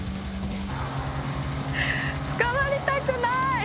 捕まりたくない。